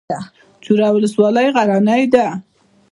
چوره ولسوالۍ غرنۍ ده؟